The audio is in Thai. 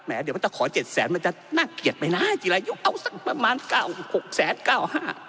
แหมเดี๋ยวถ้าขอเจ็ดแสนมันจะน่าเกลียดไปน่ะเอาสักประมาณเก้าหกแสนเก้าห้า